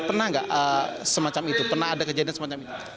pernah nggak semacam itu pernah ada kejadian semacam ini